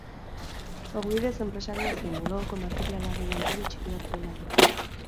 Ogibidez enpresaria zen, bulegoko materialaren lantegi txiki bat zuelarik.